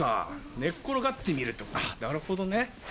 寝っ転がって見るってなるほどね。